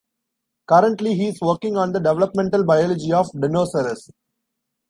Currently, he is working on the developmental biology of dinosaurs.